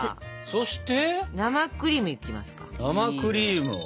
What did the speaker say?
そして！